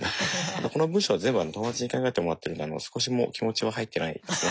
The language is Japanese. あとこの文章は全部友達に考えてもらってるんで少しも気持ちは入ってないですね。